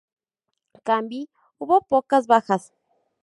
Canby, hubo pocas bajas.